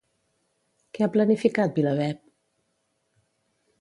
Què ha planificat VilaWeb?